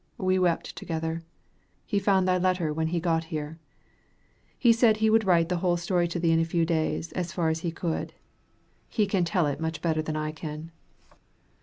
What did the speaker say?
We wept together. He found thy letter when he got here. He said he would write the whole history to thee in a few days, as far as he could. He can tell it much better than I can.